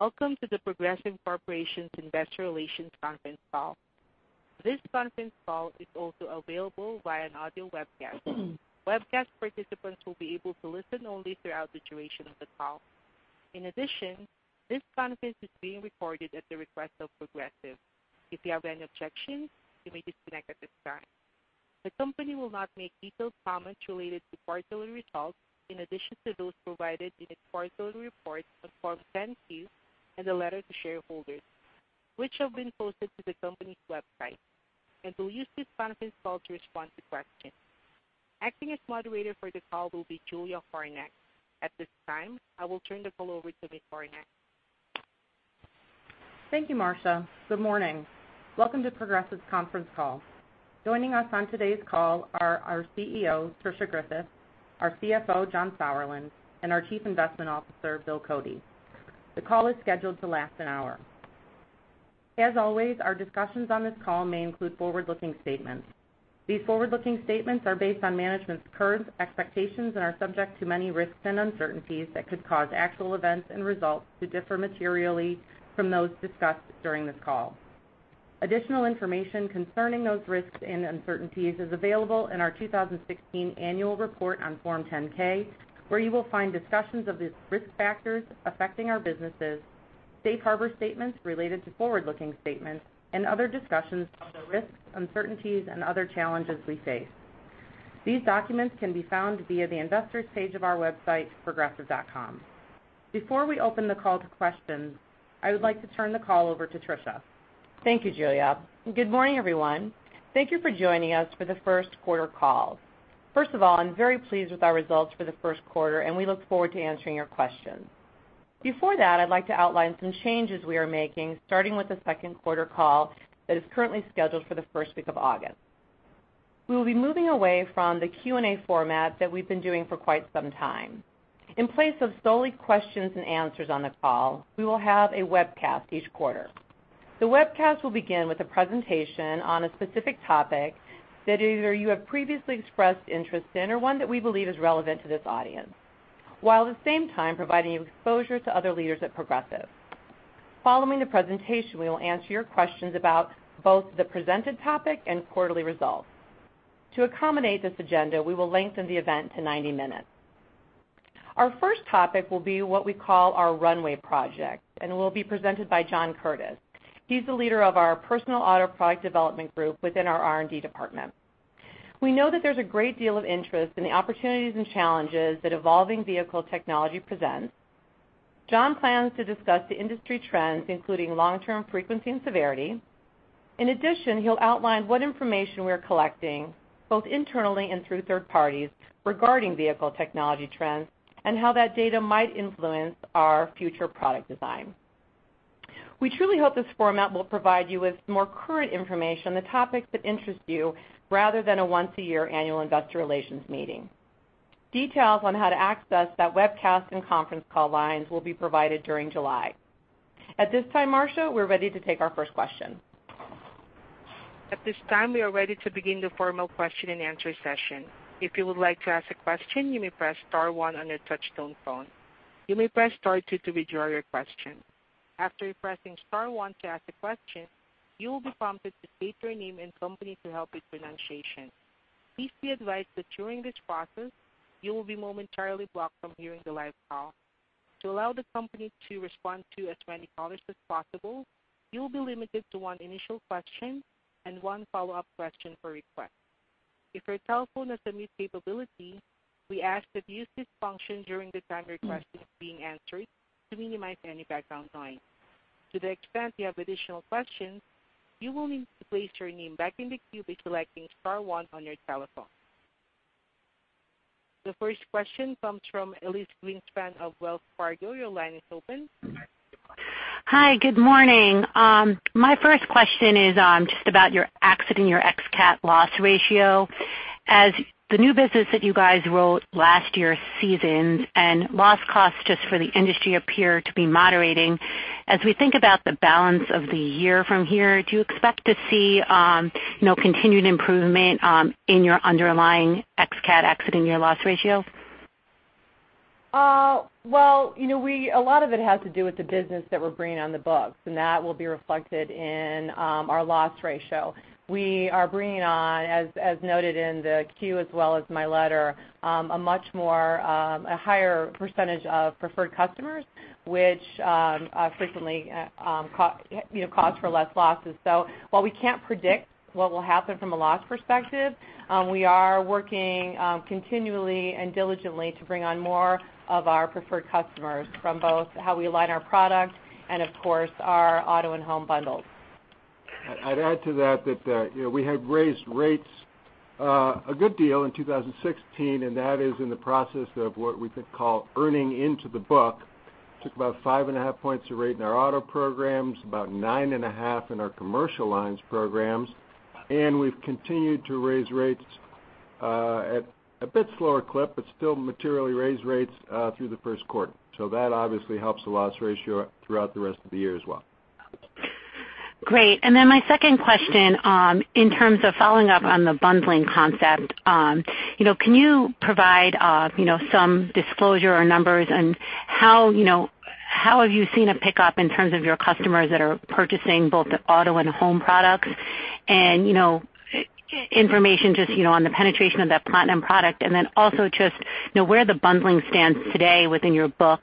Welcome to The Progressive Corporation's Investor Relations conference call. This conference call is also available via an audio webcast. Webcast participants will be able to listen only throughout the duration of the call. In addition, this conference is being recorded at the request of Progressive. If you have any objections, you may disconnect at this time. The company will not make detailed comments related to quarterly results in addition to those provided in its quarterly reports on Form 10-Q and the letter to shareholders, which have been posted to the company's website, and will use this conference call to respond to questions. Acting as moderator for this call will be Julia Korinek. At this time, I will turn the call over to Ms. Korinek. Thank you, Marsha. Good morning. Welcome to Progressive's conference call. Joining us on today's call are our CEO, Tricia Griffith, our CFO, John Sauerland, and our Chief Investment Officer, Bill Cody. The call is scheduled to last an hour. As always, our discussions on this call may include forward-looking statements. These forward-looking statements are based on management's current expectations and are subject to many risks and uncertainties that could cause actual events and results to differ materially from those discussed during this call. Additional information concerning those risks and uncertainties is available in our 2016 Annual Report on Form 10-K, where you will find discussions of the risk factors affecting our businesses, safe harbor statements related to forward-looking statements, and other discussions of the risks, uncertainties, and other challenges we face. These documents can be found via the investor's page of our website, progressive.com. Before we open the call to questions, I would like to turn the call over to Tricia. Thank you, Julia. Good morning, everyone. Thank you for joining us for the first quarter call. First of all, I'm very pleased with our results for the first quarter, and we look forward to answering your questions. Before that, I'd like to outline some changes we are making, starting with the second quarter call that is currently scheduled for the first week of August. We will be moving away from the Q&A format that we've been doing for quite some time. In place of solely questions and answers on the call, we will have a webcast each quarter. The webcast will begin with a presentation on a specific topic that either you have previously expressed interest in or one that we believe is relevant to this audience, while at the same time providing you exposure to other leaders at Progressive. Following the presentation, we will answer your questions about both the presented topic and quarterly results. To accommodate this agenda, we will lengthen the event to 90 minutes. Our first topic will be what we call our Runway project, and it will be presented by John Curtis. He's the leader of our personal auto product development group within our R&D department. We know that there's a great deal of interest in the opportunities and challenges that evolving vehicle technology presents. John plans to discuss the industry trends, including long-term frequency and severity. In addition, he'll outline what information we're collecting both internally and through third parties regarding vehicle technology trends and how that data might influence our future product design. We truly hope this format will provide you with more current information on the topics that interest you, rather than a once-a-year annual investor relations meeting. Details on how to access that webcast and conference call lines will be provided during July. At this time, Marsha, we're ready to take our first question. At this time, we are ready to begin the formal question and answer session. If you would like to ask a question, you may press star one on your touchtone phone. You may press star two to withdraw your question. After pressing star one to ask a question, you will be prompted to state your name and company to help with pronunciation. Please be advised that during this process, you will be momentarily blocked from hearing the live call. To allow the company to respond to as many callers as possible, you'll be limited to one initial question and one follow-up question per request. If your telephone has a mute capability, we ask that you use this function during the time your question is being answered to minimize any background noise. To the extent you have additional questions, you will need to place your name back in the queue by selecting star one on your telephone. The first question comes from Elyse Greenspan of Wells Fargo. Your line is open. Hi. Good morning. My first question is just about your accident, your ex-cat loss ratio. As the new business that you guys wrote last year seasons and loss costs just for the industry appear to be moderating, as we think about the balance of the year from here, do you expect to see continued improvement in your underlying ex-cat accident year loss ratios? Well, a lot of it has to do with the business that we're bringing on the books. That will be reflected in our loss ratio. We are bringing on, as noted in the Q as well as my letter, a higher percentage of preferred customers, which frequently cause for less losses. While we can't predict what will happen from a loss perspective, we are working continually and diligently to bring on more of our preferred customers from both how we align our product and, of course, our auto and home bundles. I'd add to that we had raised rates a good deal in 2016. That is in the process of what we could call earning into the book. Took about five and a half points of rate in our auto programs, about nine and a half in our Commercial Lines programs. We've continued to raise rates at a bit slower clip but still materially raised rates through the first quarter. That obviously helps the loss ratio throughout the rest of the year as well. Great. My second question, in terms of following up on the bundling concept, can you provide some disclosure or numbers on how have you seen a pickup in terms of your customers that are purchasing both the auto and home products? Information just on the penetration of that Platinum product. Also just where the bundling stands today within your book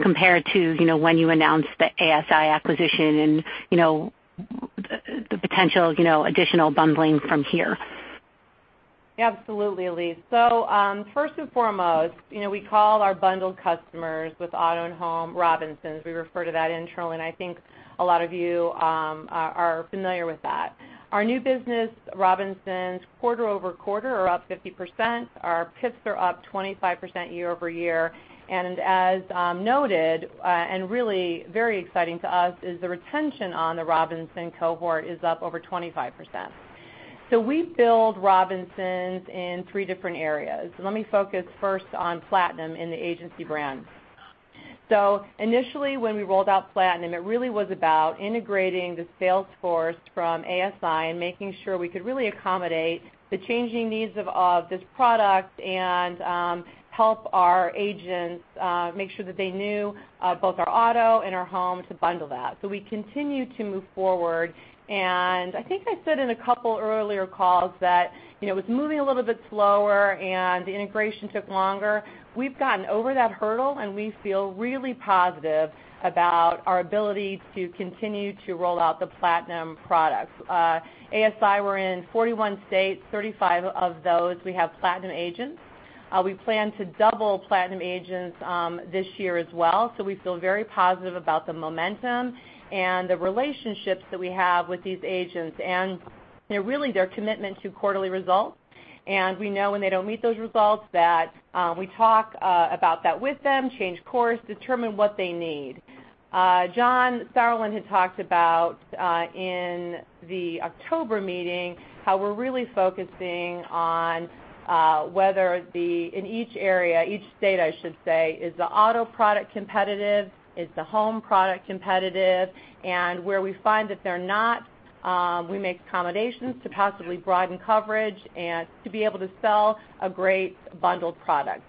compared to when you announced the ASI acquisition and the potential additional bundling from here. Absolutely, Elyse. First and foremost, we call our bundled customers with auto and home Robinsons. We refer to that internally, and I think a lot of you are familiar with that. Our new business Robinsons quarter-over-quarter are up 50%. Our PIPS are up 25% year-over-year. As noted, and really very exciting to us, is the retention on the Robinson cohort is up over 25%. We build Robinsons in three different areas. Let me focus first on Platinum in the agency brand. Initially when we rolled out Platinum, it really was about integrating the sales force from ASI and making sure we could really accommodate the changing needs of this product and help our agents make sure that they knew both our auto and our home to bundle that. We continue to move forward, and I think I said in a couple earlier calls that it was moving a little bit slower, and the integration took longer. We've gotten over that hurdle, and we feel really positive about our ability to continue to roll out the Platinum products. ASI, we're in 41 states. 35 of those, we have Platinum agents. We plan to double Platinum agents this year as well. We feel very positive about the momentum and the relationships that we have with these agents, and really their commitment to quarterly results. We know when they don't meet those results, that we talk about that with them, change course, determine what they need. John Sauerland had talked about in the October meeting how we're really focusing on whether in each area, each state I should say, is the auto product competitive, is the home product competitive. Where we find that they're not, we make accommodations to possibly broaden coverage and to be able to sell a great bundled product.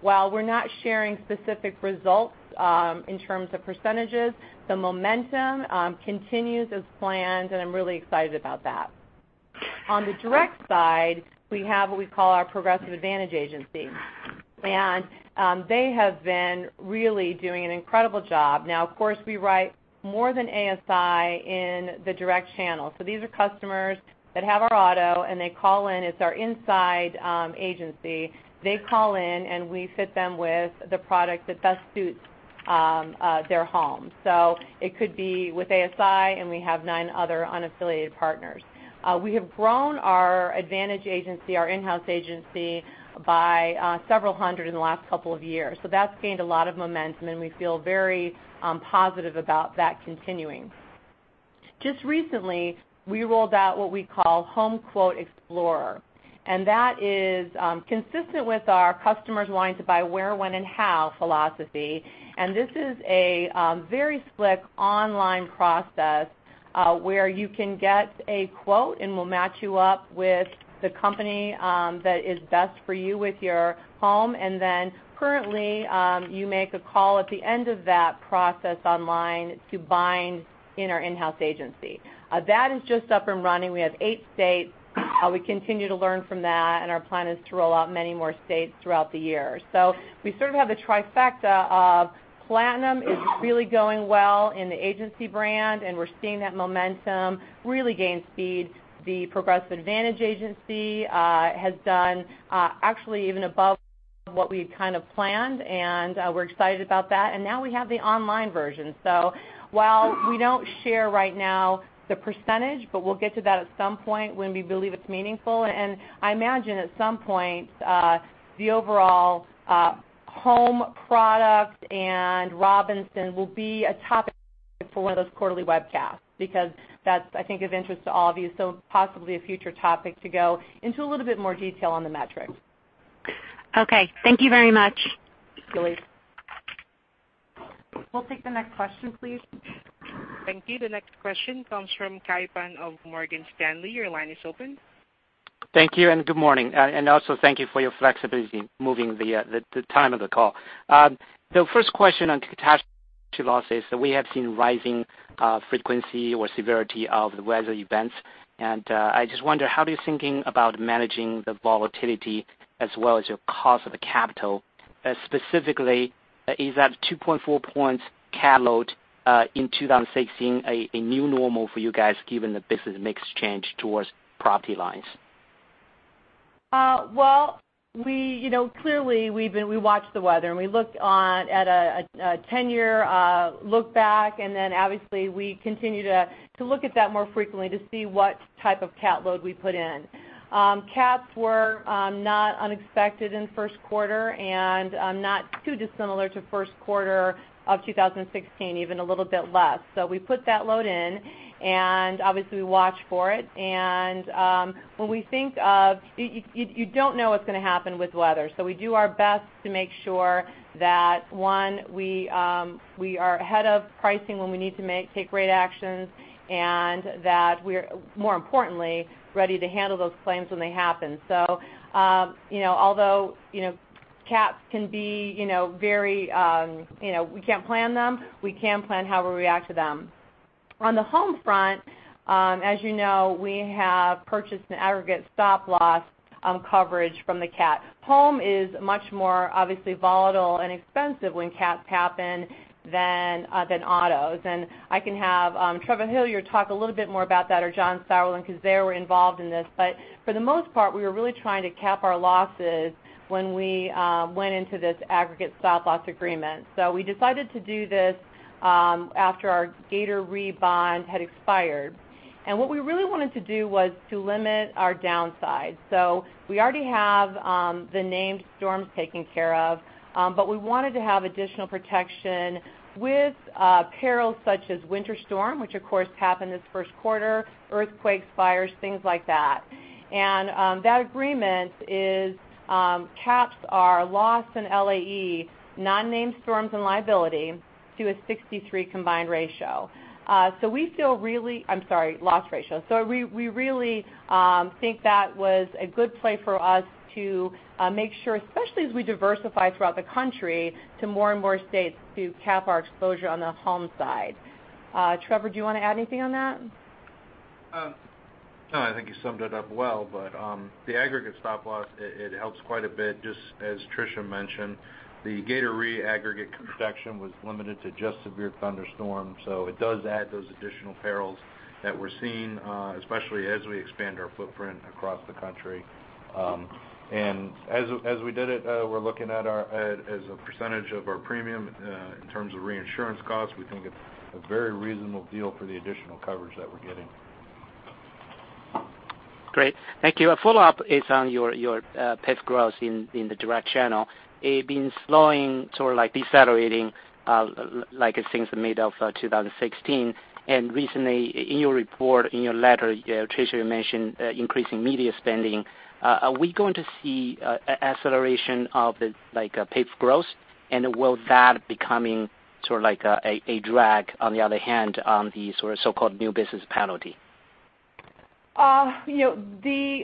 While we're not sharing specific results in terms of percentages, the momentum continues as planned, and I'm really excited about that. On the direct side, we have what we call our Progressive Advantage Agency. They have been really doing an incredible job. Now, of course, we write more than ASI in the direct channel. These are customers that have our auto, and they call in. It's our inside agency. They call in, and we fit them with the product that best suits their home. It could be with ASI, and we have nine other unaffiliated partners. We have grown our Advantage Agency, our in-house agency, by several hundred in the last couple of years. That's gained a lot of momentum, and we feel very positive about that continuing. Just recently, we rolled out what we call HomeQuote Explorer, and that is consistent with our customers wanting to buy where, when and how philosophy. This is a very slick online process where you can get a quote, and we'll match you up with the company that is best for you with your home. Then currently, you make a call at the end of that process online to bind in our in-house agency. That is just up and running. We have eight states. We continue to learn from that. Our plan is to roll out many more states throughout the year. We sort of have the trifecta of Platinum is really going well in the agency brand. We're seeing that momentum really gain speed. The Progressive Advantage Agency has done actually even above what we had kind of planned. We're excited about that. Now we have the online version. While we don't share right now the percentage, but we'll get to that at some point when we believe it's meaningful. I imagine at some point the overall home product and Robinsons will be a topic for one of those quarterly webcasts, because that's, I think, of interest to all of you. Possibly a future topic to go into a little bit more detail on the metrics. Okay. Thank you very much. Thank you, Elyse. We'll take the next question, please. Thank you. The next question comes from Kai Pan of Morgan Stanley. Your line is open. Thank you. Good morning. Also thank you for your flexibility in moving the time of the call. The first question on catastrophe losses. I just wonder, how are you thinking about managing the volatility as well as your cost of the capital? Specifically, is that 2.4 points cat load in 2016 a new normal for you guys given the business mix change towards property lines? Well, clearly, we look at a 10-year look back, obviously we continue to look at that more frequently to see what type of cat load we put in. Cats were not unexpected in first quarter and not too dissimilar to first quarter of 2016, even a little bit less. We put that load in, obviously we watch for it. You don't know what's going to happen with weather. We do our best to make sure that, one, we are ahead of pricing when we need to take rate actions, that we're, more importantly, ready to handle those claims when they happen. Although cats can be very, we can't plan them, we can plan how we react to them. On the home front, as you know, we have purchased an aggregate stop loss coverage from the cat. Home is much more obviously volatile and expensive when cats happen than autos. I can have Trevor Hillier talk a little bit more about that or John Sauerland because they were involved in this, for the most part, we were really trying to cap our losses when we went into this aggregate stop loss agreement. We decided to do this after our Gator Re bond had expired. What we really wanted to do was to limit our downside. We already have the named storms taken care of, but we wanted to have additional protection with perils such as winter storm, which of course happened this first quarter, earthquakes, fires, things like that. That agreement caps our loss in LAE, non-named storms and liability to a 63 combined ratio. We feel really, I'm sorry, loss ratio. We really think that was a good play for us to make sure, especially as we diversify throughout the country to more and more states to cap our exposure on the home side. Trevor, do you want to add anything on that? No, I think you summed it up well. The aggregate stop loss, it helps quite a bit, just as Tricia mentioned. The Gator Re aggregate protection was limited to just severe thunderstorms, so it does add those additional perils that we're seeing, especially as we expand our footprint across the country. As we did it, we're looking at as a percentage of our premium in terms of reinsurance costs, we think it's a very reasonable deal for the additional coverage that we're getting. Great. Thank you. A follow-up is on your PIP growth in the direct channel. It's been slowing, sort of decelerating since the middle of 2016. Recently, in your report, in your letter, Tricia, you mentioned increasing media spending. Are we going to see acceleration of the PIP growth, and will that become sort of a drag, on the other hand, on the sort of so-called new business penalty? The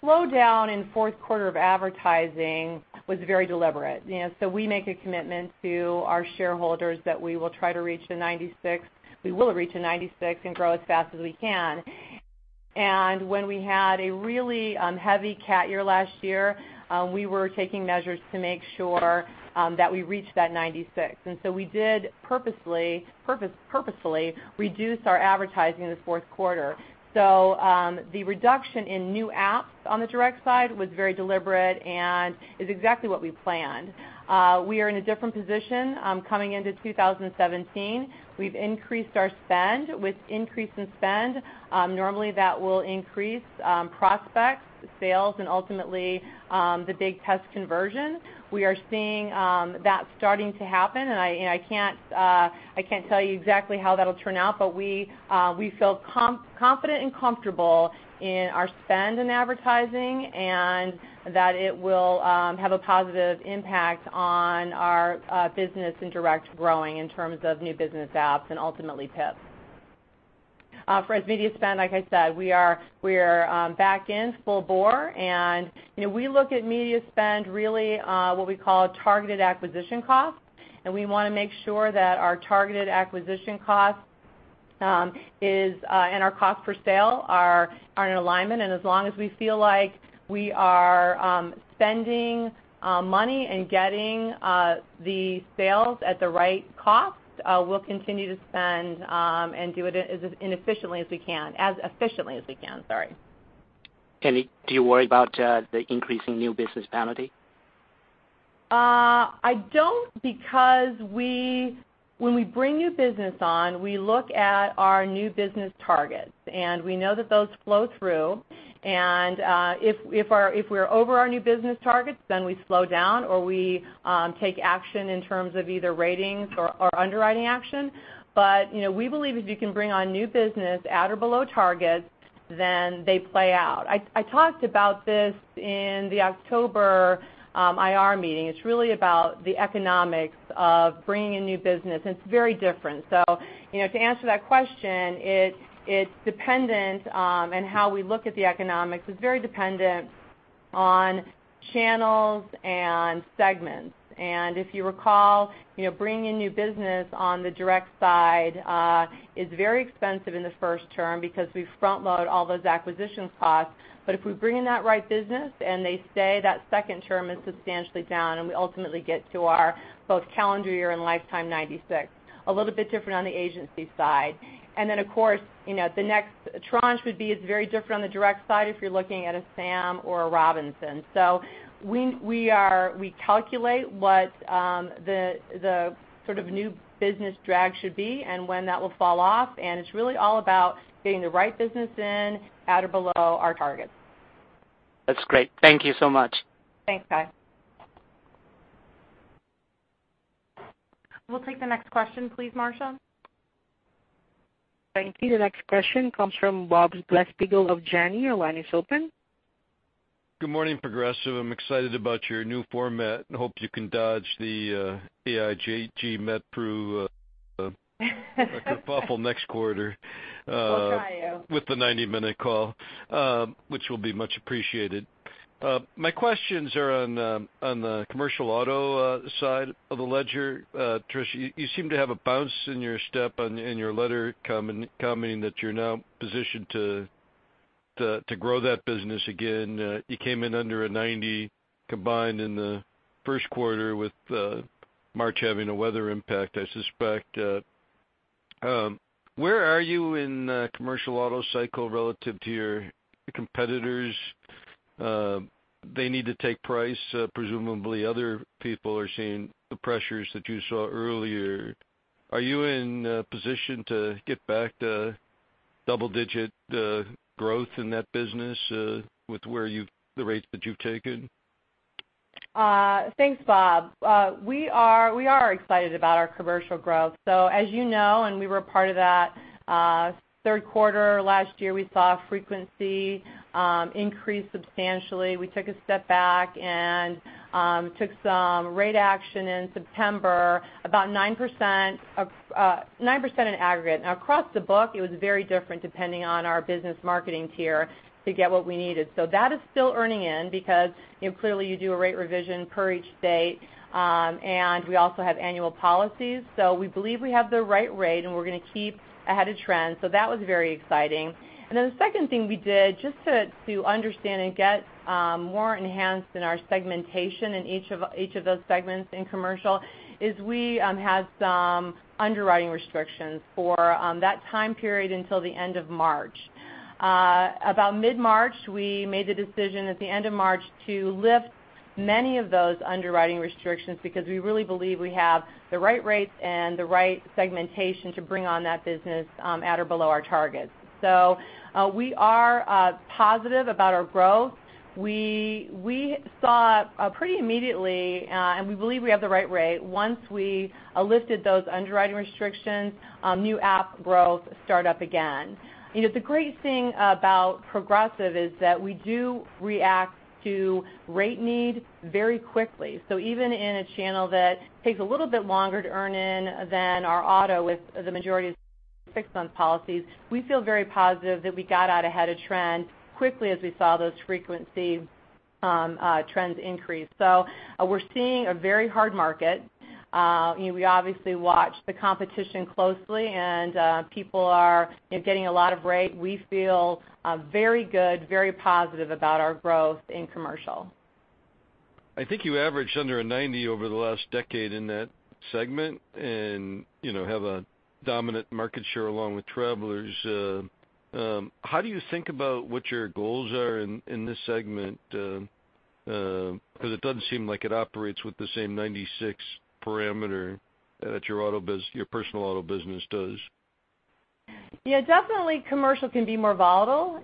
slowdown in fourth quarter of advertising was very deliberate. We make a commitment to our shareholders that we will try to reach the 96, we will reach a 96 and grow as fast as we can. When we had a really heavy cat year last year, we were taking measures to make sure that we reached that 96. We did purposefully reduce our advertising in the fourth quarter. The reduction in new apps on the direct side was very deliberate and is exactly what we planned. We are in a different position coming into 2017. We've increased our spend. With increase in spend, normally that will increase prospects, sales, and ultimately, the big test conversion. We are seeing that starting to happen, and I can't tell you exactly how that'll turn out, but we feel confident and comfortable in our spend in advertising and that it will have a positive impact on our business in direct growing in terms of new business apps and ultimately PIP. For our media spend, like I said, we are back in full bore. We look at media spend really what we call targeted acquisition cost. We want to make sure that our targeted acquisition cost and our cost per sale are in alignment. As long as we feel like we are spending money and getting the sales at the right cost, we'll continue to spend and do it as efficiently as we can. Do you worry about the increasing new business penalty? I don't because when we bring new business on, we look at our new business targets, and we know that those flow through. If we're over our new business targets, then we slow down, or we take action in terms of either ratings or underwriting action. We believe if you can bring on new business at or below targets, then they play out. I talked about this in the October IR meeting. It's really about the economics of bringing in new business, and it's very different. To answer that question, it's dependent on how we look at the economics. It's very dependent on channels and segments. If you recall, bringing in new business on the direct side is very expensive in the first term because we front-load all those acquisitions costs. If we bring in that right business and they stay, that second term is substantially down, and we ultimately get to our both calendar year and lifetime 96%. A little bit different on the agency side. Then, of course, the next tranche would be is very different on the direct side if you're looking at a Sam or a Robinson. We calculate what the sort of new business drag should be and when that will fall off, and it's really all about getting the right business in at or below our targets. That's great. Thank you so much. Thanks, Kai. We'll take the next question please, Marsha. Thank you. The next question comes from Bob Glasspiegel of Janney. Your line is open. Good morning, Progressive. I'm excited about your new format and hope you can dodge the last year's Gator Re bond next quarter. We'll try to. With the 90-minute call, which will be much appreciated. My questions are on the commercial auto side of the ledger. Tricia, you seem to have a bounce in your step in your letter commenting that you're now positioned to grow that business again. You came in under a 90 combined in the first quarter with March having a weather impact, I suspect. Where are you in the commercial auto cycle relative to your competitors? They need to take price. Presumably other people are seeing the pressures that you saw earlier. Are you in a position to get back to double-digit growth in that business with the rates that you've taken? Thanks, Bob. We are excited about our commercial growth. As you know, and we were part of that, third quarter last year, we saw frequency increase substantially. We took a step back and took some rate action in September, about 9% in aggregate. Now across the book, it was very different depending on our business marketing tier to get what we needed. That is still earning in because clearly you do a rate revision per each date. We also have annual policies. We believe we have the right rate, and we're going to keep ahead of trend. That was very exciting. The second thing we did just to understand and get more enhanced in our segmentation in each of those segments in commercial, is we had some underwriting restrictions for that time period until the end of March. About mid-March, we made the decision at the end of March to lift many of those underwriting restrictions because we really believe we have the right rates and the right segmentation to bring on that business at or below our targets. We are positive about our growth. We saw pretty immediately, and we believe we have the right rate, once we lifted those underwriting restrictions, new app growth start up again. The great thing about Progressive is that we do react to rate need very quickly. Even in a channel that takes a little bit longer to earn in than our auto with the majority of fixed month policies, we feel very positive that we got out ahead of trend quickly as we saw those frequency trends increase. We are seeing a very hard market. We obviously watch the competition closely, people are getting a lot of rate. We feel very good, very positive about our growth in commercial. I think you averaged under a 90 over the last decade in that segment and have a dominant market share along with Travelers. How do you think about what your goals are in this segment? It doesn't seem like it operates with the same 96 parameter that your personal auto business does. Definitely commercial can be more volatile,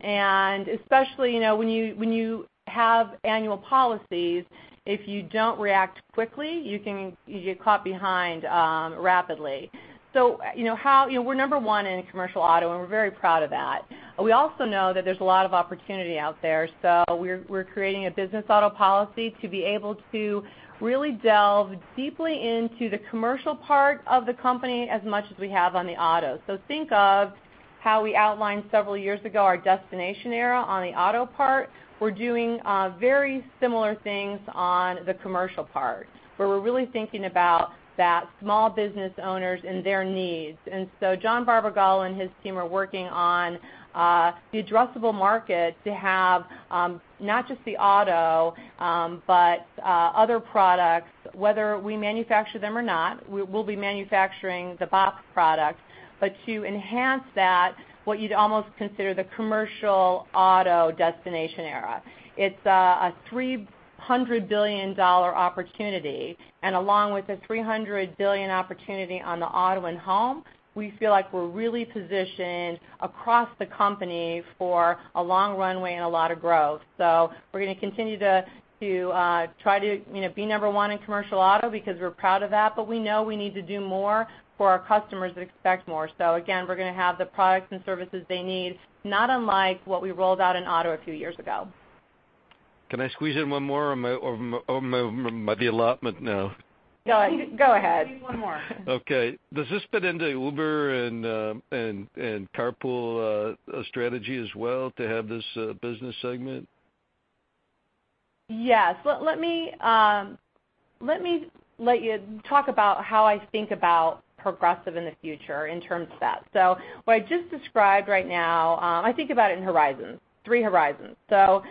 especially when you have annual policies, if you don't react quickly, you get caught behind rapidly. We're number one in commercial auto, we're very proud of that. We also know that there's a lot of opportunity out there. We're creating a Business Auto Policy to be able to really delve deeply into the commercial part of the company as much as we have on the auto. Think of how we outlined several years ago our Destination Era on the auto part. We're doing very similar things on the commercial part, where we're really thinking about that small business owners and their needs. John Barbagallo and his team are working on the addressable market to have not just the auto, but other products, whether we manufacture them or not. We'll be manufacturing the BOP product. To enhance that, what you'd almost consider the commercial auto Destination Era. It's a $300 billion opportunity. Along with the $300 billion opportunity on the auto and home, we feel like we're really positioned across the company for a long runway and a lot of growth. We're going to continue to try to be number one in commercial auto because we're proud of that. We know we need to do more for our customers that expect more. Again, we're going to have the products and services they need, not unlike what we rolled out in auto a few years ago. Can I squeeze in one more, or am I the allotment now? Go ahead. Squeeze one more. Okay. Does this fit into Uber and carpool strategy as well to have this business segment? Yes. Let me talk about how I think about Progressive in the future in terms of that. I think about it in horizons, three horizons. What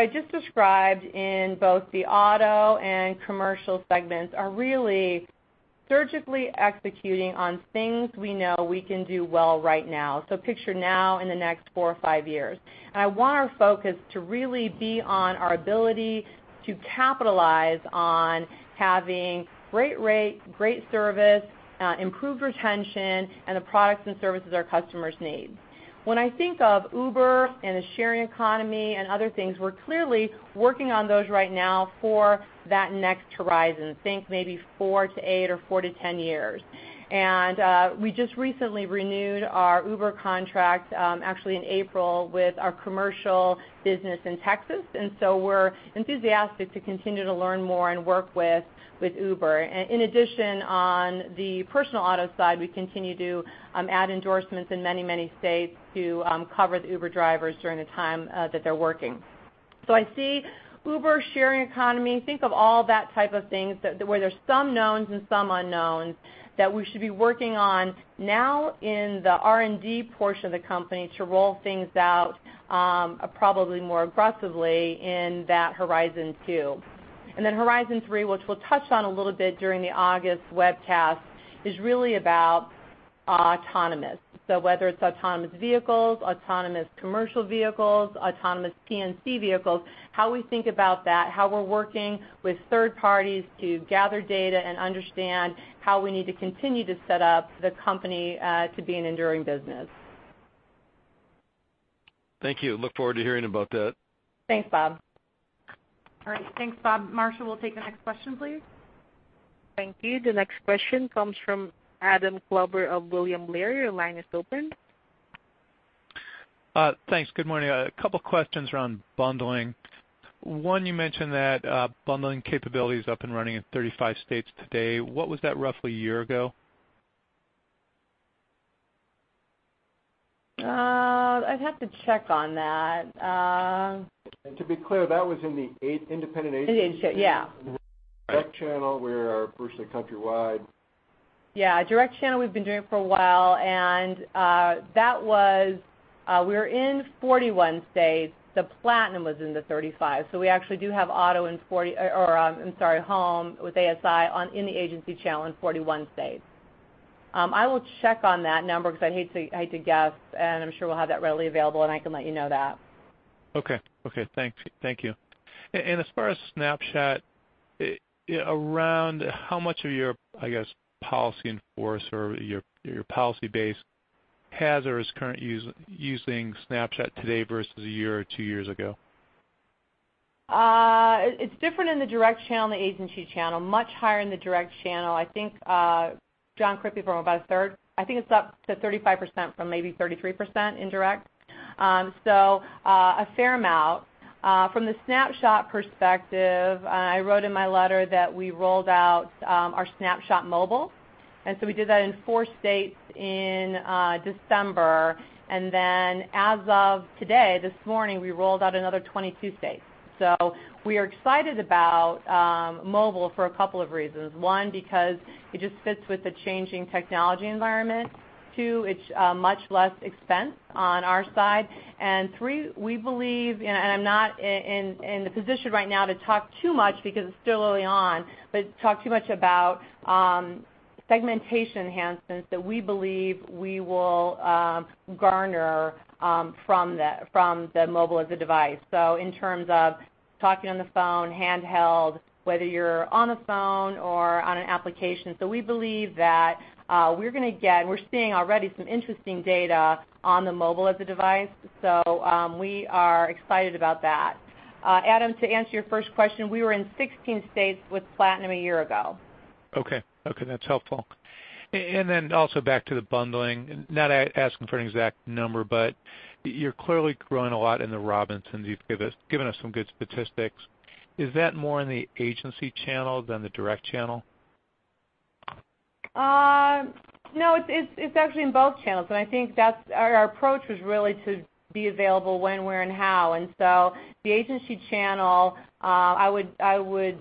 I just described in both the auto and commercial segments are really surgically executing on things we know we can do well right now. Picture now in the next four or five years. I want our focus to really be on our ability to capitalize on having great rate, great service, improved retention, and the products and services our customers need. When I think of Uber and the sharing economy and other things, we're clearly working on those right now for that next horizon. Think maybe four to eight or four to 10 years. We just recently renewed our Uber contract, actually in April, with our commercial business in Texas. We're enthusiastic to continue to learn more and work with Uber. In addition, on the personal auto side, we continue to add endorsements in many states to cover the Uber drivers during the time that they're working. I see Uber, sharing economy, think of all that type of things where there's some knowns and some unknowns that we should be working on now in the R&D portion of the company to roll things out probably more aggressively in that horizon 2. Horizon 3, which we'll touch on a little bit during the August webcast, is really about autonomous. Whether it's autonomous vehicles, autonomous commercial vehicles, autonomous P&C vehicles, how we think about that, how we're working with third parties to gather data and understand how we need to continue to set up the company to be an enduring business. Thank you. Look forward to hearing about that. Thanks, Bob. All right. Thanks, Bob. Marsha, we'll take the next question, please. Thank you. The next question comes from Adam Klauber of William Blair. Your line is open. Thanks. Good morning. A couple questions around bundling. One, you mentioned that bundling capability is up and running in 35 states today. What was that roughly a year ago? I'd have to check on that. To be clear, that was in the independent agent- Independent agent, yeah direct channel, where our Personal Lines countrywide. Yeah, direct channel we've been doing it for a while. We were in 41 states. The Platinum was in the 35. We actually do have home with ASI in the agency channel in 41 states. I will check on that number because I'd hate to guess, and I'm sure we'll have that readily available, and I can let you know that. Okay. Thank you. As far as Snapshot, around how much of your, I guess, policy in force or your policy base has or is currently using Snapshot today versus a year or two years ago? It's different in the direct channel and the agency channel. Much higher in the direct channel. I think John Rippel from about a third. I think it's up to 35% from maybe 33% in direct. A fair amount. From the Snapshot perspective, I wrote in my letter that we rolled out our Snapshot Mobile. We did that in four states in December. As of today, this morning, we rolled out another 22 states. We are excited about mobile for a couple of reasons. One, because it just fits with the changing technology environment. Two, it's much less expense on our side. Three, we believe, and I'm not in the position right now to talk too much because it's still early on, but talk too much about segmentation enhancements that we believe we will garner from the mobile as a device. In terms of talking on the phone, handheld, whether you're on a phone or on an application. We believe that we're seeing already some interesting data on the mobile as a device. We are excited about that. Adam, to answer your first question, we were in 16 states with Platinum a year ago. Okay. That's helpful. Also back to the bundling, not asking for an exact number, but you're clearly growing a lot in the Robinsons. You've given us some good statistics. Is that more in the agency channel than the direct channel? No, it's actually in both channels. I think our approach was really to be available when, where, and how. The agency channel, I would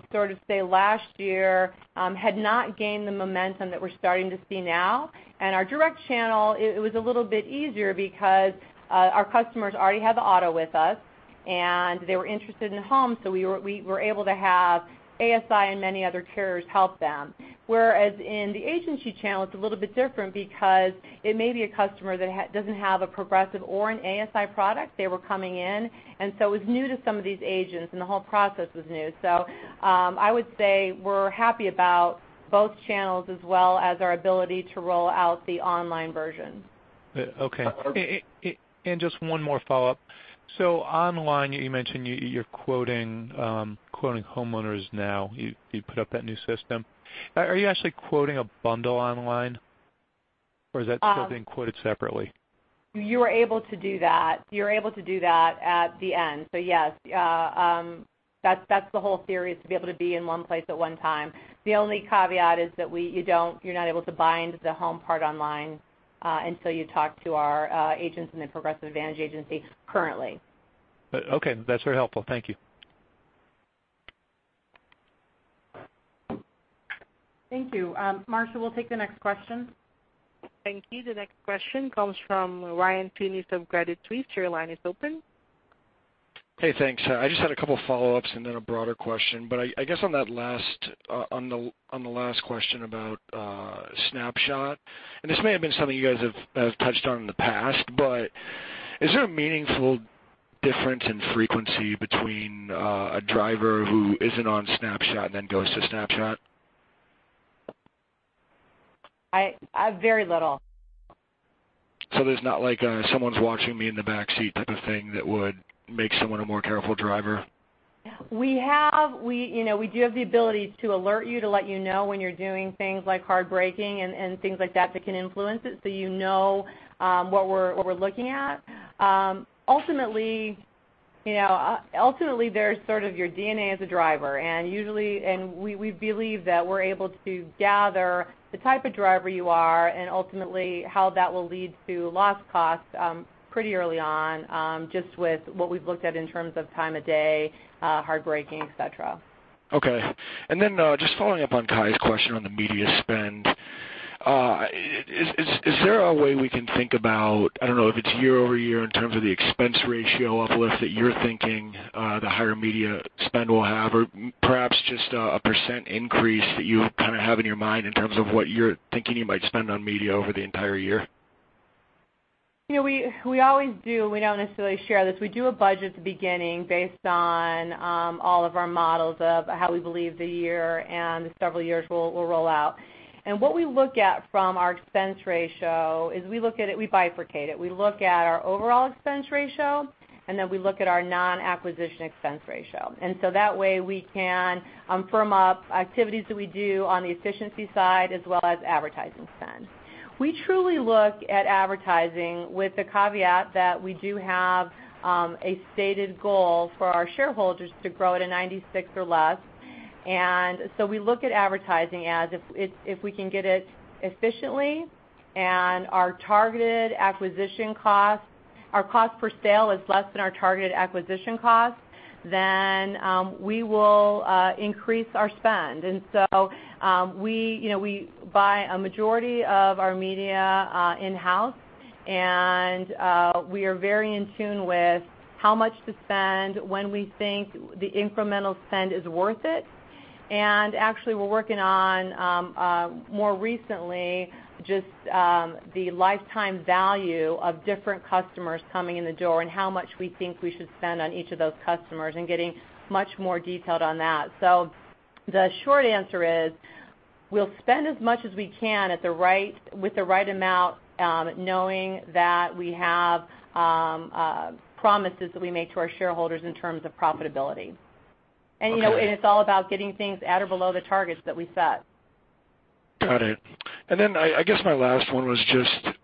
say last year had not gained the momentum that we're starting to see now. Our direct channel, it was a little bit easier because our customers already had the auto with us, and they were interested in home, so we were able to have ASI and many other carriers help them. Whereas in the agency channel, it's a little bit different because it may be a customer that doesn't have a Progressive or an ASI product. They were coming in, it was new to some of these agents, and the whole process was new. I would say we're happy about both channels as well as our ability to roll out the online version. Okay. Just one more follow-up. Online, you mentioned you're quoting homeowners now. You put up that new system. Are you actually quoting a bundle online, or is that still being quoted separately? You are able to do that. You're able to do that at the end. Yes, that's the whole theory, is to be able to be in one place at one time. The only caveat is that you're not able to bind the home part online, you talk to our agents in the Progressive Advantage Agency currently. Okay. That's very helpful. Thank you. Thank you. Marsha, we'll take the next question. Thank you. The next question comes from Ryan Tunis of Credit Suisse. Your line is open. Hey, thanks. I just had a couple follow-ups and then a broader question. I guess on the last question about Snapshot, and this may have been something you guys have touched on in the past, is there a meaningful difference in frequency between a driver who isn't on Snapshot and then goes to Snapshot? Very little. There's not like a someone's watching me in the back seat type of thing that would make someone a more careful driver? We do have the ability to alert you to let you know when you're doing things like hard braking and things like that can influence it, you know what we're looking at. Ultimately, there's sort of your DNA as a driver, we believe that we're able to gather the type of driver you are and ultimately how that will lead to loss cost pretty early on just with what we've looked at in terms of time of day, hard braking, et cetera. Okay. Just following up on Kai's question on the media spend. Is there a way we can think about, I don't know if it's year-over-year in terms of the expense ratio uplift that you're thinking, the higher media spend will have, or perhaps just a % increase that you kind of have in your mind in terms of what you're thinking you might spend on media over the entire year? We always do, we don't necessarily share this. We do a budget at the beginning based on all of our models of how we believe the year and several years will roll out. What we look at from our expense ratio is we look at it, we bifurcate it. We look at our overall expense ratio, and then we look at our non-acquisition expense ratio. That way we can firm up activities that we do on the efficiency side as well as advertising spend. We truly look at advertising with the caveat that we do have a stated goal for our shareholders to grow at a 96 or less. We look at advertising as if we can get it efficiently and our cost per sale is less than our targeted acquisition cost, then we will increase our spend. We buy a majority of our media in-house and we are very in tune with how much to spend, when we think the incremental spend is worth it. Actually, we're working on, more recently, just the lifetime value of different customers coming in the door and how much we think we should spend on each of those customers and getting much more detailed on that. The short answer is, we'll spend as much as we can with the right amount, knowing that we have promises that we make to our shareholders in terms of profitability. Okay. It's all about getting things at or below the targets that we set. Got it. Then I guess my last one was just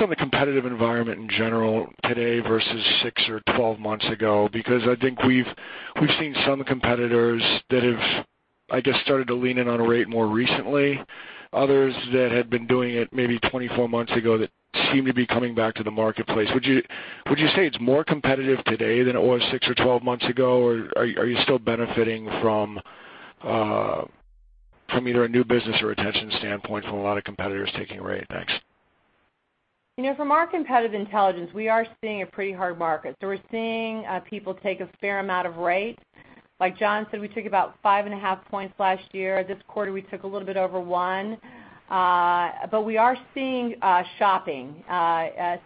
on the competitive environment in general today versus six or 12 months ago, because I think we've seen some competitors that have, I guess, started to lean in on a rate more recently. Others that had been doing it maybe 24 months ago that seem to be coming back to the marketplace. Would you say it's more competitive today than it was six or 12 months ago, or are you still benefiting from either a new business retention standpoint from a lot of competitors taking rate? Thanks. From our competitive intelligence, we are seeing a pretty hard market. We're seeing people take a fair amount of rate. Like John said, we took about five and a half points last year. This quarter, we took a little bit over one. We are seeing shopping.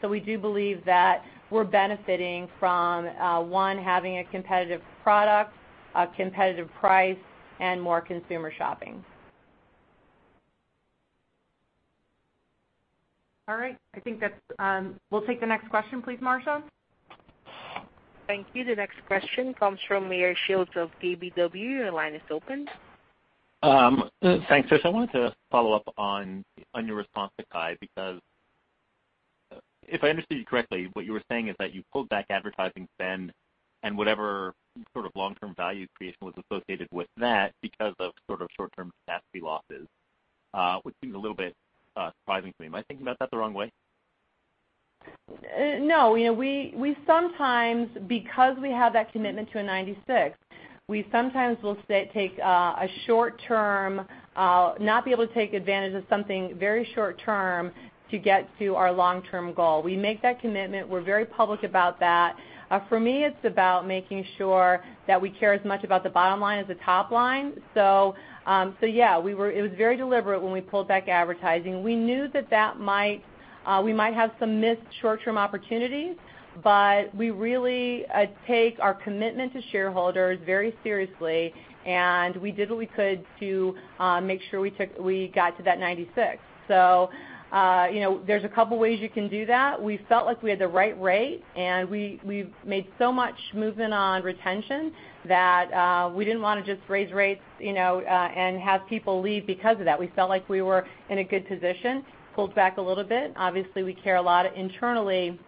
We do believe that we're benefiting from, one, having a competitive product, a competitive price, and more consumer shopping. All right. We'll take the next question, please, Marsha. Thank you. The next question comes from Meyer Shields of KBW. Your line is open. Thanks. I wanted to follow up on your response to Kai, because if I understood you correctly, what you were saying is that you pulled back advertising spend and whatever sort of long-term value creation was associated with that because of sort of short-term casualty losses, which seems a little bit surprising to me. Am I thinking about that the wrong way? No. Because we have that commitment to a 96, we sometimes will not be able to take advantage of something very short term to get to our long-term goal. We make that commitment. We're very public about that. For me, it's about making sure that we care as much about the bottom line as the top line. Yeah, it was very deliberate when we pulled back advertising. We knew that we might have some missed short-term opportunities, but we really take our commitment to shareholders very seriously, and we did what we could to make sure we got to that 96. There's a couple ways you can do that. We felt like we had the right rate, and we've made so much movement on retention that we didn't want to just raise rates and have people leave because of that. We felt like we were in a good position, pulled back a little bit. Obviously, we care a lot internally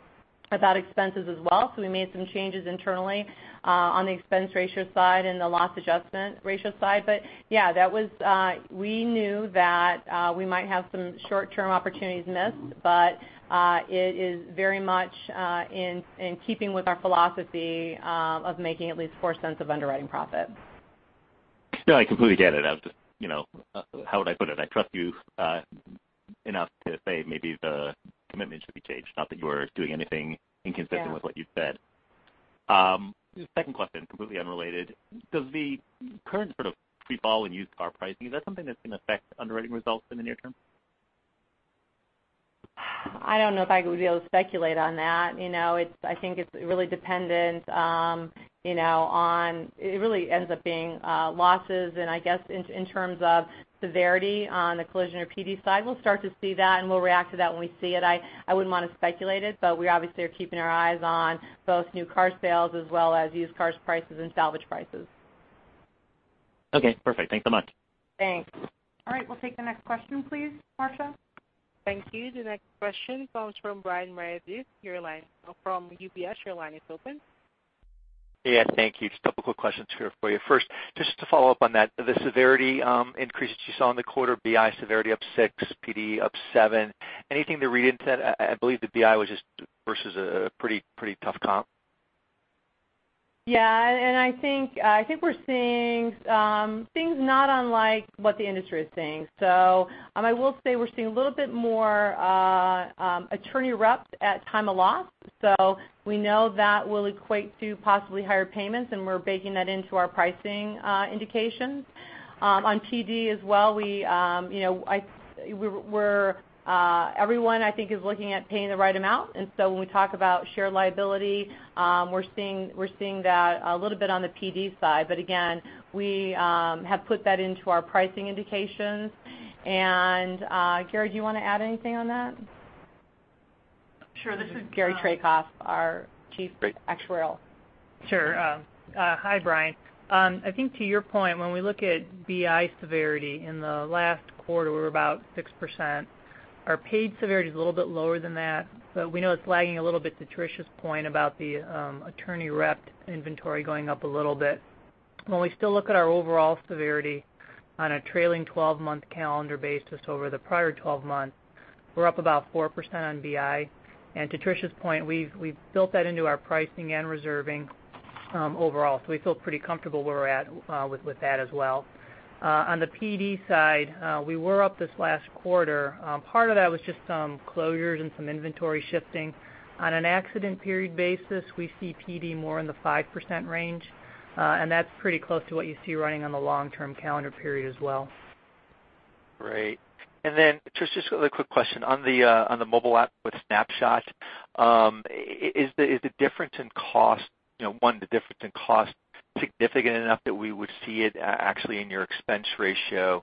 about expenses as well, so we made some changes internally, on the expense ratio side and the loss adjustment ratio side. Yeah, we knew that we might have some short-term opportunities missed, but it is very much in keeping with our philosophy of making at least $0.04 of underwriting profit. No, I completely get it. How would I put it? I trust you enough to say maybe the commitment should be changed. Not that you are doing anything inconsistent- Yeah with what you've said. Second question, completely unrelated. Does the current sort of free fall in used car pricing, is that something that's going to affect underwriting results in the near term? I don't know if I would be able to speculate on that. I think it's really dependent on, it really ends up being losses. I guess in terms of severity on the collision or PD side, we'll start to see that, and we'll react to that when we see it. I wouldn't want to speculate it, but we obviously are keeping our eyes on both new car sales as well as used car prices and salvage prices. Okay, perfect. Thanks so much. Thanks. All right. We'll take the next question, please. Marsha? Thank you. The next question comes from Brian Meredith from UBS. Your line is open. Yeah, thank you. Just a couple quick questions here for you. First, just to follow up on that, the severity increases you saw in the quarter, BI severity up six, PD up seven. Anything to read into that? I believe the BI was just versus a pretty tough comp. Yeah, I think we're seeing things not unlike what the industry is seeing. I will say we're seeing a little bit more attorney reps at time of loss. We know that will equate to possibly higher payments, we're baking that into our pricing indications. On PD as well, everyone, I think, is looking at paying the right amount. When we talk about shared liability, we're seeing that a little bit on the PD side. Again, we have put that into our pricing indications. Gary, do you want to add anything on that? Sure. This is Gary Trajkov, our Chief Actuarial. Sure. Hi, Brian. I think to your point, when we look at BI severity, in the last quarter, we're about 6%. Our paid severity is a little bit lower than that, but we know it's lagging a little bit to Tricia's point about the attorney rep inventory going up a little bit. When we still look at our overall severity on a trailing 12-month calendar basis over the prior 12 months, we're up about 4% on BI. To Tricia's point, we've built that into our pricing and reserving overall. We feel pretty comfortable where we're at with that as well. On the PD side, we were up this last quarter. Part of that was just some closures and some inventory shifting. On an accident period basis, we see PD more in the 5% range. That's pretty close to what you see running on the long-term calendar period as well. Great. Tricia, just a really quick question. On the mobile app with Snapshot, is the difference in cost significant enough that we would see it actually in your expense ratio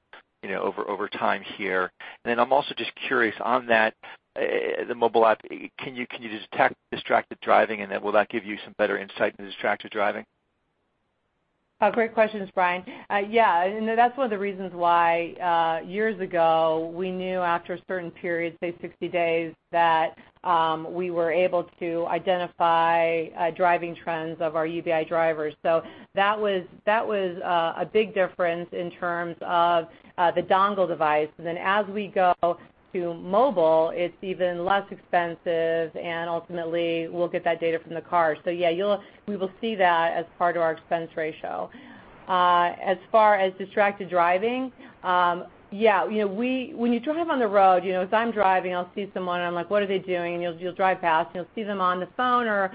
over time here? I'm also just curious on that, the mobile app, can you detect distracted driving, and then will that give you some better insight into distracted driving? Great questions, Brian Meredith. That's one of the reasons why, years ago, we knew after a certain period, say 60 days, that we were able to identify driving trends of our UBI drivers. That was a big difference in terms of the dongle device. As we go to mobile, it's even less expensive, and ultimately, we'll get that data from the car. We will see that as part of our expense ratio. As far as distracted driving. When you drive on the road, as I'm driving, I'll see someone, and I'm like, "What are they doing?" You'll drive past, and you'll see them on the phone or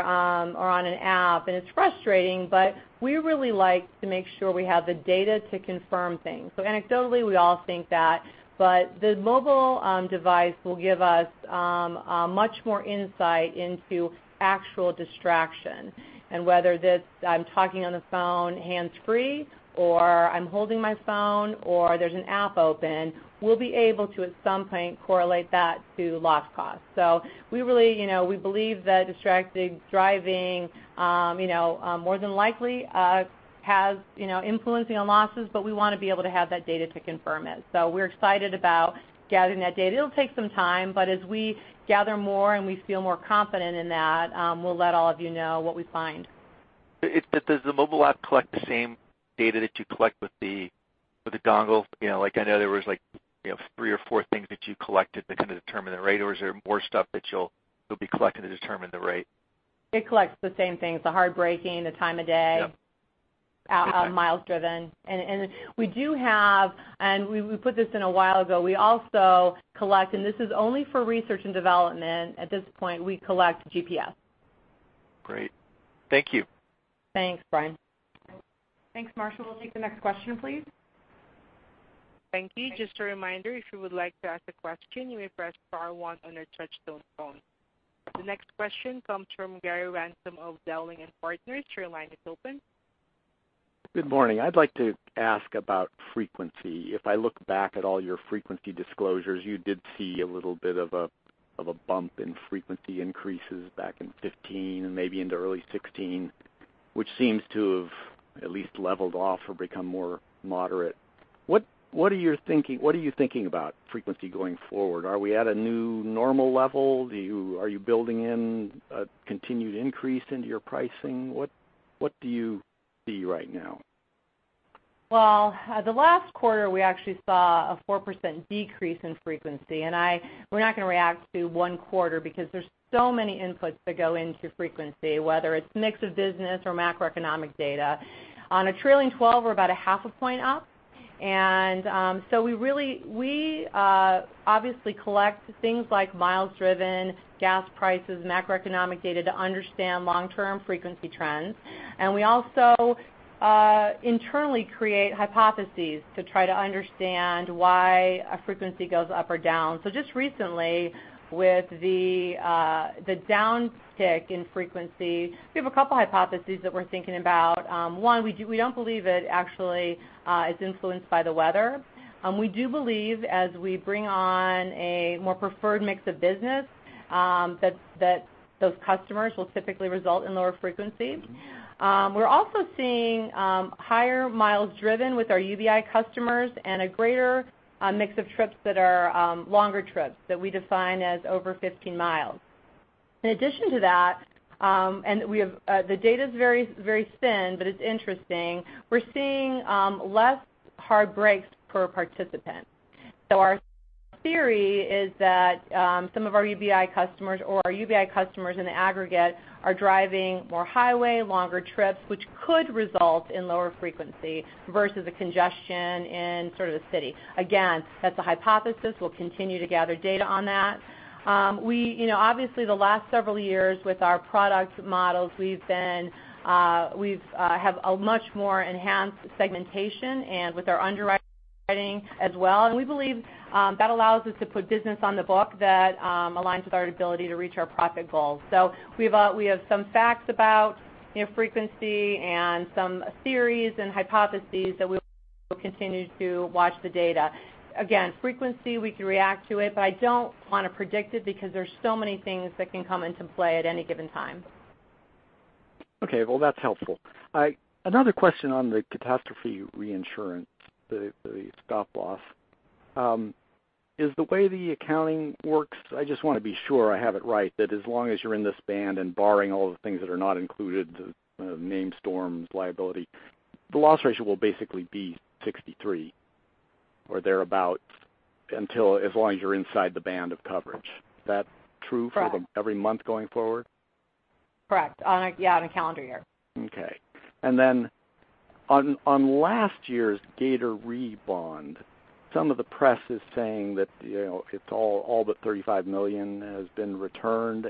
on an app, and it's frustrating, but we really like to make sure we have the data to confirm things. Anecdotally, we all think that, but the mobile device will give us much more insight into actual distraction. Whether I'm talking on the phone hands-free, or I'm holding my phone, or there's an app open, we'll be able to, at some point, correlate that to loss cost. We believe that distracted driving, more than likely, has influencing on losses, but we want to be able to have that data to confirm it. We're excited about gathering that data. It'll take some time, but as we gather more and we feel more confident in that, we'll let all of you know what we find. Does the mobile app collect the same data that you collect with the dongle? I know there was three or four things that you collected that kind of determine the rate, or is there more stuff that you'll be collecting to determine the rate? It collects the same things, the hard braking, the time of day. Yep We put this in a while ago, we also collect, and this is only for research and development at this point, we collect GPS. Great. Thank you. Thanks, Brian. Thanks, Marsha. We'll take the next question, please. Thank you. Just a reminder, if you would like to ask a question, you may press star one on your touchtone phone. The next question comes from Gary Ransom of Dowling & Partners. Your line is open. Good morning. I'd like to ask about frequency. If I look back at all your frequency disclosures, you did see a little bit of a bump in frequency increases back in 2015 and maybe into early 2016, which seems to have at least leveled off or become more moderate. What are you thinking about frequency going forward? Are we at a new normal level? Are you building in a continued increase into your pricing? What do you see right now? Well, the last quarter, we actually saw a 4% decrease in frequency. We're not going to react to one quarter because there's so many inputs that go into frequency, whether it's mix of business or macroeconomic data. On a trailing 12, we're about a half a point up. We obviously collect things like miles driven, gas prices, macroeconomic data to understand long-term frequency trends. We also internally create hypotheses to try to understand why a frequency goes up or down. Just recently, with the down tick in frequency, we have a couple hypotheses that we're thinking about. One, we don't believe that actually it's influenced by the weather. We do believe, as we bring on a more preferred mix of business, that those customers will typically result in lower frequency. We're also seeing higher miles driven with our UBI customers and a greater mix of trips that are longer trips, that we define as over 15 miles. In addition to that, and the data's very thin, but it's interesting, we're seeing less hard brakes per participant. Our theory is that some of our UBI customers or our UBI customers in the aggregate are driving more highway, longer trips, which could result in lower frequency versus a congestion in sort of the city. Again, that's a hypothesis. We'll continue to gather data on that. Obviously, the last several years with our product models, we've have a much more enhanced segmentation and with our underwriting as well, and we believe that allows us to put business on the book that aligns with our ability to reach our profit goals. We have some facts about frequency and some theories and hypotheses that we'll continue to watch the data. Again, frequency, we can react to it, but I don't want to predict it because there's so many things that can come into play at any given time. Okay, well, that's helpful. Another question on the catastrophe reinsurance, the stop loss. Is the way the accounting works, I just want to be sure I have it right, that as long as you're in this band and barring all of the things that are not included, the named storms, liability, the loss ratio will basically be 63 or thereabout, as long as you're inside the band of coverage. Is that true? Correct For every month going forward? Correct. Yeah, on a calendar year. Okay. Then on last year's Gator Re bond, some of the press is saying that all but $35 million has been returned,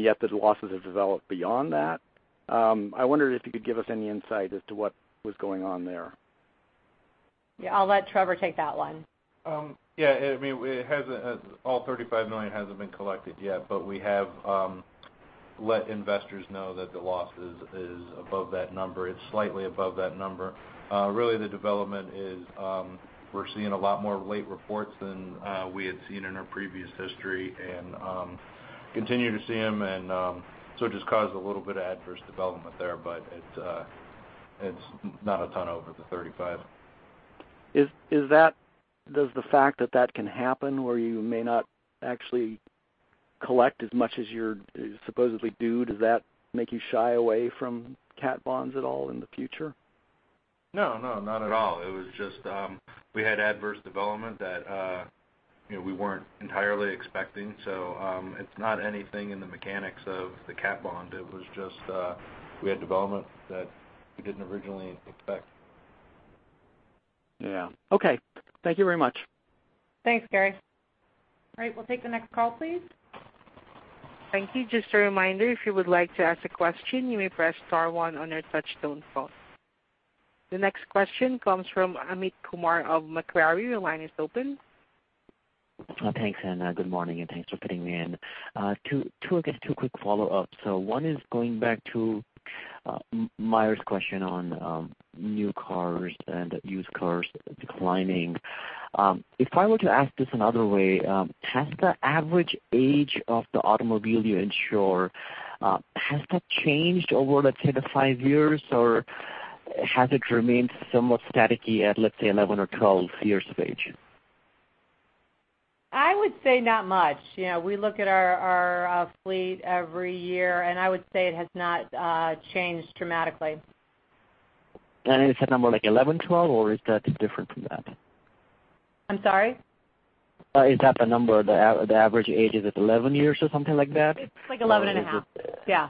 yet the losses have developed beyond that. I wonder if you could give us any insight as to what was going on there. Yeah, I'll let Trevor take that one. Yeah, all $35 million hasn't been collected yet, we have let investors know that the loss is above that number. It's slightly above that number. Really, the development is, we're seeing a lot more late reports than we had seen in our previous history and continue to see them, it just caused a little bit of adverse development there, it's not a ton over the 35. Does the fact that that can happen, where you may not actually collect as much as you're supposedly due, does that make you shy away from cat bonds at all in the future? No, not at all. It was just we had adverse development that we weren't entirely expecting. It's not anything in the mechanics of the cat bond. It was just we had development that we didn't originally expect. Yeah. Okay. Thank you very much. Thanks, Gary. All right, we'll take the next call, please. Thank you. Just a reminder, if you would like to ask a question, you may press star one on your touchtone phone. The next question comes from Amit Kumar of Macquarie. Your line is open. Thanks, Marsha. Good morning, and thanks for fitting me in. Two quick follow-ups. One is going back to Meyer's question on new cars and used cars declining. If I were to ask this another way, has the average age of the automobile you insure, has that changed over, let's say, the five years, or has it remained somewhat static-y at, let's say, 11 or 12 years of age? I would say not much. We look at our fleet every year, I would say it has not changed dramatically. Is that number like 11, 12, or is that different from that? I'm sorry? Is that the number, the average age is at 11 years or something like that? It's like 11 and a half. Yeah.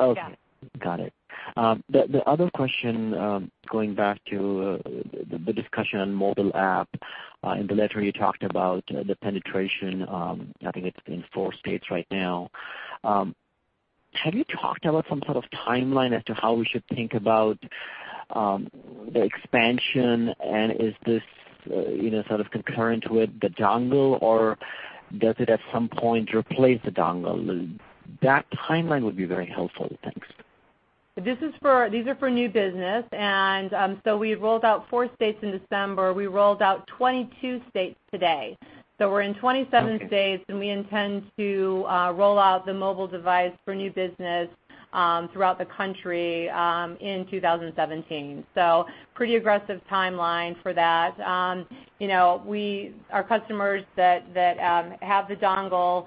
Okay. Got it. The other question, going back to the discussion on mobile app. In the letter, you talked about the penetration. I think it's in four states right now. Have you talked about some sort of timeline as to how we should think about the expansion, is this sort of concurrent with the dongle, or does it at some point replace the dongle? That timeline would be very helpful. Thanks. These are for new business. We had rolled out four states in December. We rolled out 22 states today. We're in 27 states, we intend to roll out the mobile device for new business throughout the country in 2017. Pretty aggressive timeline for that. Our customers that have the dongle,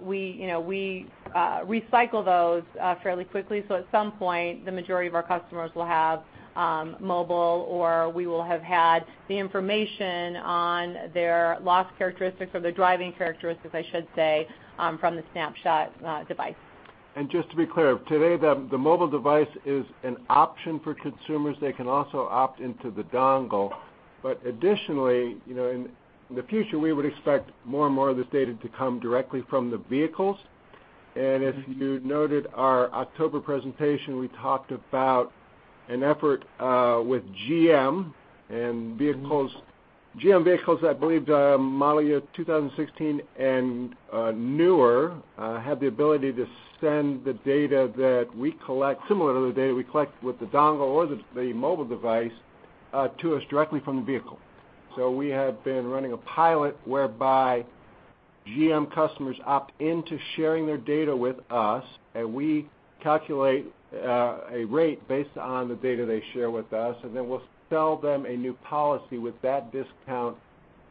we recycle those fairly quickly. At some point, the majority of our customers will have mobile, or we will have had the information on their loss characteristics or their driving characteristics, I should say, from the Snapshot device. Just to be clear, today, the mobile device is an option for consumers. They can also opt into the dongle. Additionally, in the future, we would expect more and more of this data to come directly from the vehicles. If you noted our October presentation, we talked about an effort with GM. GM vehicles, I believe model year 2016 and newer, have the ability to send the data that we collect, similar to the data we collect with the dongle or the mobile device, to us directly from the vehicle. We have been running a pilot whereby GM customers opt into sharing their data with us, we calculate a rate based on the data they share with us, we'll sell them a new policy with that discount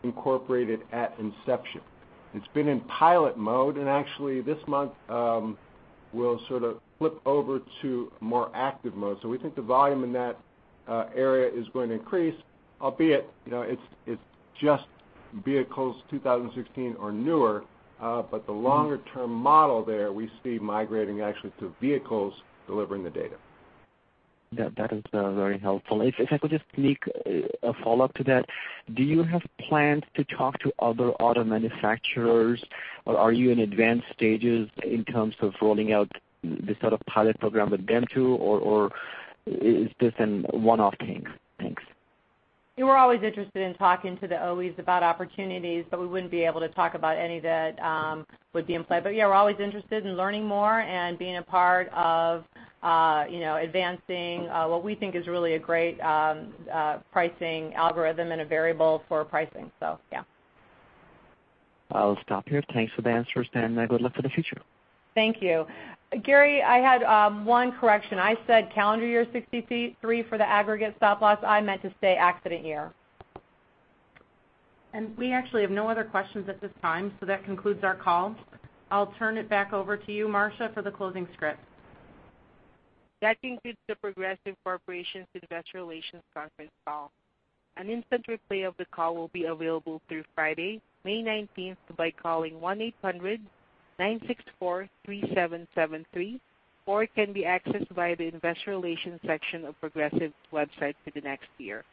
incorporated at inception. It's been in pilot mode, actually this month we'll sort of flip over to more active mode. We think the volume in that area is going to increase, albeit it's just vehicles 2016 or newer. The longer-term model there, we see migrating actually to vehicles delivering the data. That is very helpful. If I could just sneak a follow-up to that. Do you have plans to talk to other auto manufacturers, or are you in advanced stages in terms of rolling out this sort of pilot program with them too, or is this a one-off thing? Thanks. We're always interested in talking to the OEs about opportunities, but we wouldn't be able to talk about any that would be in play. Yeah, we're always interested in learning more and being a part of advancing what we think is really a great pricing algorithm and a variable for pricing. Yeah. I'll stop here. Thanks for the answers, and good luck for the future. Thank you. Gary, I had one correction. I said calendar year 63 for the aggregate stop loss. I meant to say accident year. We actually have no other questions at this time, that concludes our call. I'll turn it back over to you, Marsha, for the closing script. That concludes The Progressive Corporation's Investor Relations conference call. An instant replay of the call will be available through Friday, May 19th by calling 1-800-964-3773 or it can be accessed via the investor relations section of Progressive's website for the next year.